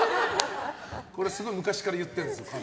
すごい昔から言ってるんですよ。